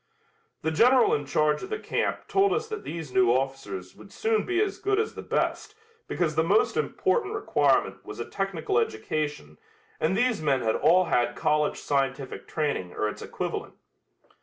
The General in charge of the camp told us that these new officers would soon be as good as the best because the most important requirement was a technical education and these men had all had college scientific training or its equivalent.